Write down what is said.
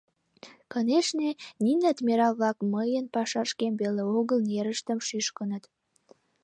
Конешне, нине адмирал-влак мыйын пашашкем веле огыл нерыштым шӱшкыныт.